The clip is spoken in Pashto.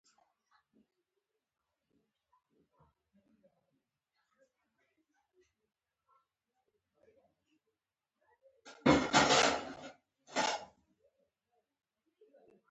خوږیاڼي د خپلو اوبو او زراعت له امکاناتو څخه ګټه پورته کوي.